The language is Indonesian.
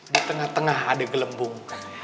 di tengah tengah ada gelembung